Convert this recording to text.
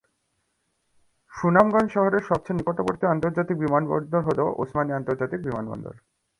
সুনামগঞ্জ শহরের সবচেয়ে নিকটবর্তী আন্তর্জাতিক বিমানবন্দর হলো ওসমানী আন্তর্জাতিক বিমানবন্দর।